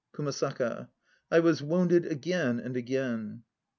KUMASAKA. I was wounded again and again.